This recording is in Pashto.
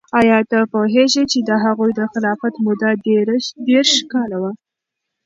آیا ته پوهیږې چې د هغوی د خلافت موده دیرش کاله وه؟